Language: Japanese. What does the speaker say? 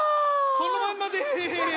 そのまんまです！